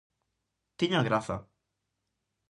Tiña graza.